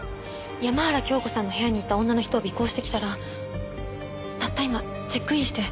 山原京子さんの部屋にいた女の人を尾行してきたらたった今チェックインして。